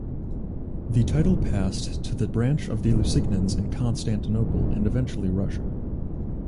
The title passed to the branch of the Lusignans in Constantinople and eventually Russia.